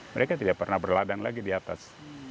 mereka tidak pernah berladang lagi di atas